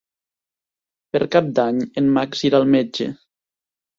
Per Cap d'Any en Max irà al metge.